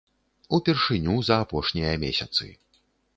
Упершыню за апошнія месяцы.